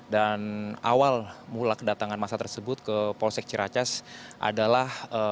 dan awal mula kedatangan massa tersebut ke mapolsek ciracas adalah